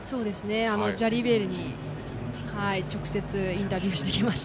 ジャリベールに直接インタビューしてきました。